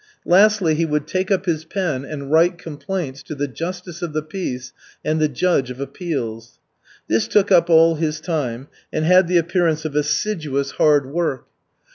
Lastly he would take up his pen and write complaints to the justice of the peace and the judge of appeals. This took up all his time and had the appearance of assiduous hard work.